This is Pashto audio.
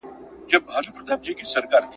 چرګان هګۍ تولیدوي.